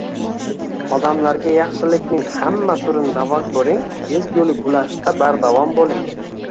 Odamlarga yaxshilikning hamma turini ravo ko‘ring, ezgulik ulashishda bardavom bo‘ling.